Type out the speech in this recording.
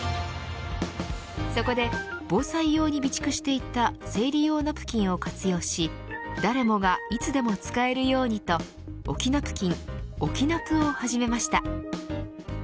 そこで防災用に備蓄していた生理用ナプキンを活用し誰もがいつでも使えるようにと置きナプキン置きナプを始めました。